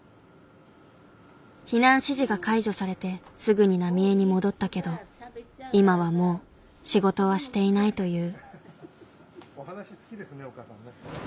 避難指示が解除されてすぐに浪江に戻ったけど今はもう仕事はしていないという。